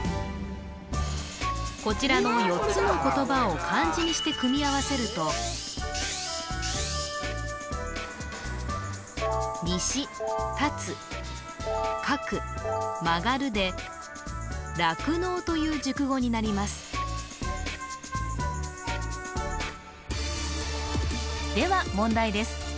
こちらの４つの言葉を漢字にして組み合わせると「西」「辰」「各」「曲」で酪農という熟語になりますでは問題です